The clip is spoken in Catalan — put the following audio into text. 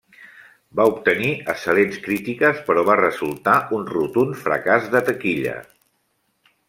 Va obtenir excel·lents crítiques però va resultar un rotund fracàs de taquilla.